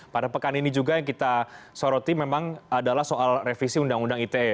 pada pekan ini juga yang kita soroti memang adalah soal revisi undang undang ite